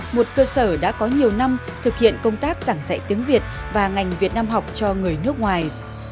một cơ sở đã có nhiều năm thực hiện công tác giảng dạy tiếng việt và ngành việt nam học cho người nước ngoài